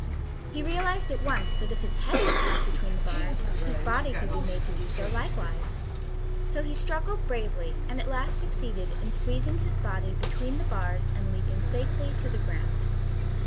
He realized at once that if his head would pass between the bars, his body could be made to do so, likewise. So he struggled bravely, and at last succeeded in squeezing his body between the bars and leaping safely to the ground.